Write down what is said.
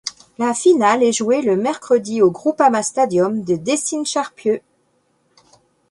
La finale est jouée le mercredi au Groupama Stadium de Décines-Charpieu.